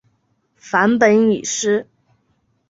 梵本已失。